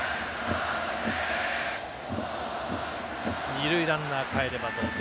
二塁ランナーかえれば同点。